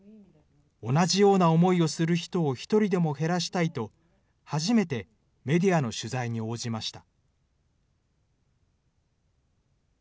同じような思いをする人を１人でも減らしたいと、初めてメディアの取材に応じました。